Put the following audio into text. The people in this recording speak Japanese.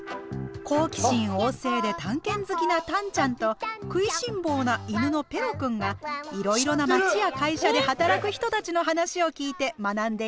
好奇心旺盛で探検好きなタンちゃんと食いしん坊な犬のペロくんがいろいろな町や会社で働く人たちの話を聞いて学んでいきます。